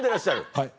はい。